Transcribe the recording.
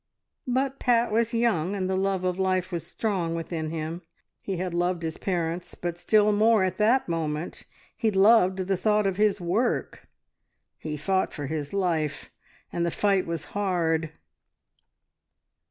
But Pat was young, and the love of life was strong within him. He had loved his parents, but still more at that moment he loved the thought of his work. He fought for his life, and the fight was hard.